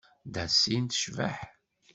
Dassin tecbeḥ.